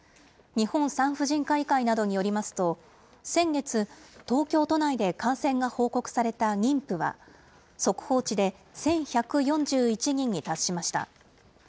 日本産婦人科医会などによりますと、先月、東京都内で感染が報告された妊婦は、速報値で１１４１人に達しました。